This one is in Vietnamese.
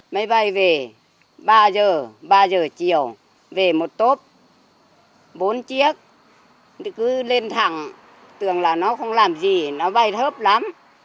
máy bay về ba giờ ba giờ chiều về một tốp bốn chiếc cứ lên thẳng thường là nó không làm gì nó bay thấp lắm